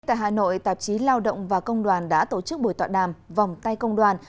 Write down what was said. tại hà nội tạp chí lao động và công đoàn đã tổ chức buổi tọa đàm vòng tay công đoàn